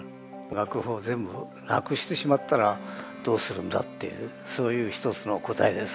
楽譜を全部なくしてしまったらどうするんだっていうそういう一つの答えです。